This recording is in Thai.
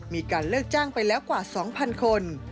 มีการเลิกจ้างไปแล้วกว่า๒๐๐คน